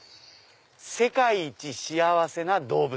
世界一幸せな動物。